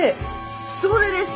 それです！